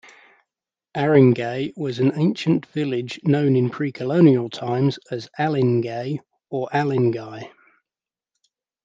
Aringay was an ancient village known in pre-colonial times as "Alingay" or "Alinguey".